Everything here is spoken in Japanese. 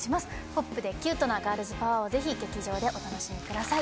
ポップでキュートなガールズパワーをぜひ劇場でお楽しみください。